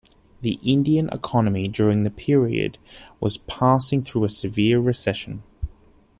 The Indian economy during the period was passing through a severe recession.